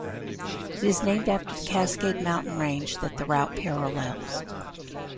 It is named after the Cascade mountain range that the route parallels.